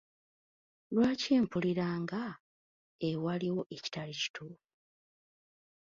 Lwaki mpulira nga ewaliwo ekitali kituufu?